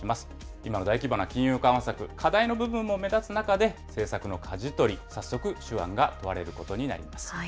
今の大規模な金融緩和策、課題の部分も目立つ中で、政策のかじ取り、早速、手腕が問われることになります。